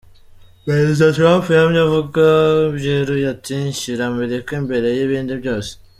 "Perezida Trump yamye avuga byeruye ati, 'Nshyira Amerika imbere y'ibindi byose'.